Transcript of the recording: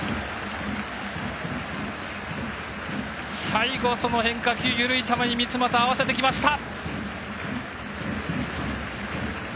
最後、その変化球、緩い球に三ツ俣、合わせてきました！